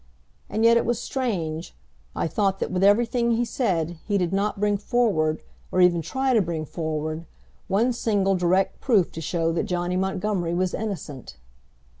And yet it was strange I thought that with everything he said he did not bring forward, or even try to bring forward, one single direct proof to show that Johnny Montgomery was innocent.